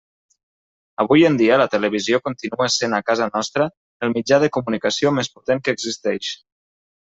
Avui en dia la televisió continua sent a casa nostra el mitjà de comunicació més potent que existeix.